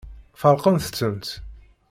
Feṛqent-tent.